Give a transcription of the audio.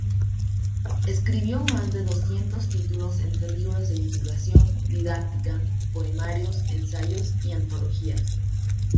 Escribió más de doscientos títulos, entre libros de divulgación, didáctica, poemarios, ensayos y antologías.